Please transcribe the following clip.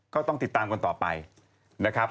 ก็ต้องติดตามกันต่อไปนะครับ